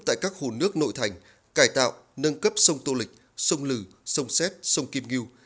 tại các hồ nước nội thành cải tạo nâng cấp sông tô lịch sông lừ sông xét sông kim nghiêu